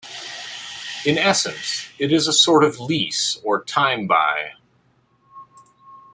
In essence, it is a sort of lease or time-buy.